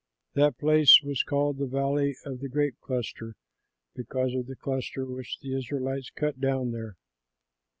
That place was called the valley of the Grape Cluster because of the cluster which the Israelites cut down there.